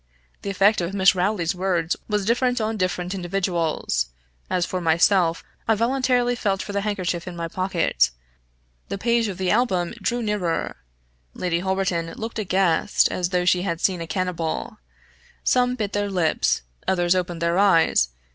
The effect of Miss Rowley's words was different on different individuals. As for myself, I involuntarily felt for the handkerchief in my pocket. The page of the album drew nearer. Lady Holberton looked aghast, as though she had seen a cannibal. Some bit their lips; others opened their eyes.